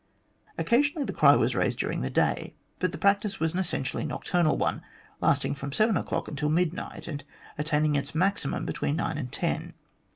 Occasionally the cry was raised during the day, but the practice was an essentially nocturnal one, lasting from seven o'clock until midnight, and attaining its maximum between nine and ten.